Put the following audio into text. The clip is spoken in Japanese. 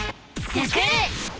「スクる！」。